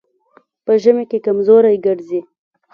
په ژمي کې کمزوری ګرځي.